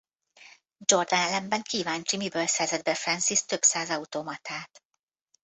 Jordan ellenben kíváncsi miből szerzett be Francis több száz automatát.